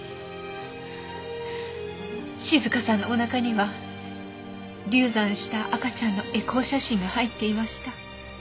静香さんのお腹には流産した赤ちゃんのエコー写真が入っていました。